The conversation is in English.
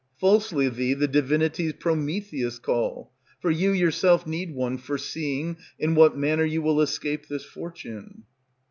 Falsely thee the divinities Prometheus Call; for you yourself need one foreseeing In what manner you will escape this fortune.